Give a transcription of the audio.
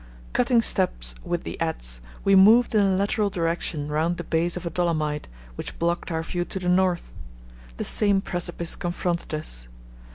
Cutting steps with the adze, we moved in a lateral direction round the base of a dolomite, which blocked our view to the north. The same precipice confronted us.